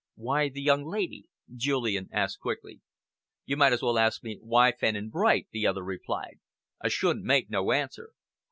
"Why the young lady?" Julian asked quickly. "You might as well ask me, 'Why Fenn and Bright?'" the other replied. "I shouldn't make no answer.